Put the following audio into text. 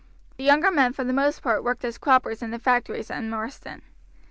The younger men for the most part worked as croppers in the factories in Marsden.